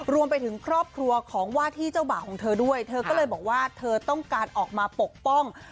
รวมไปถึงครอบครัวของว่าที่เจ้าบ่าวของเธอด้วยเธอก็เลยบอกว่าเธอต้องการออกมาปกป้อง